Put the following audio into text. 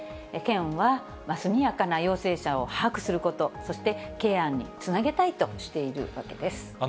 県は、速やかな陽性者を把握すること、そしてケアにつなげたいとしているわけです。